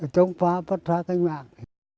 trống phá phát phá thanh mạng